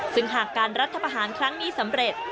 ซึ่งหากการรัฐประหารครั้งนี้สำเร็จ